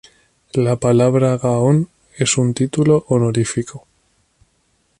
La palabra Gaón es un título honorífico.